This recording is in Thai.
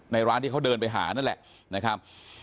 ร้านที่เขาเดินไปหานั่นแหละนะครับ